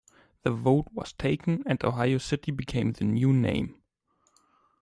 The vote was taken and Ohio City became the new name.